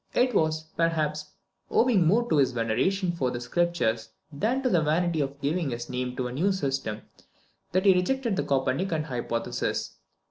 It was, perhaps, owing more to his veneration for the Scriptures than to the vanity of giving his name to a new system that he rejected the Copernican hypothesis.